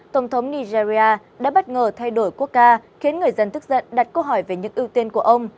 tổng thống nigeria đã bất ngờ thay đổi quốc ca khiến người dân tức giận đặt câu hỏi về những ưu tiên của ông